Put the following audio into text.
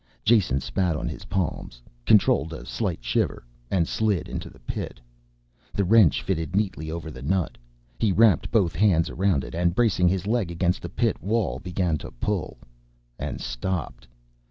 Jason spat on his palms, controlled a slight shiver and slid into the pit. The wrench fitted neatly over the nut, he wrapped both hands around it and, bracing his leg against the pit wall, began to pull. And stopped.